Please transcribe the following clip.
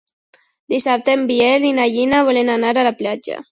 Dissabte en Biel i na Gina volen anar a la platja.